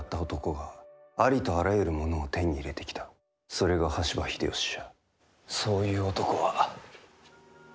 それが羽柴秀吉じゃ。